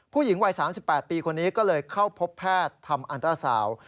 ผู้หญิงวัย๓๘ปีคนนี้ก็เลยเข้าพบแพทย์ทำอันตราสาว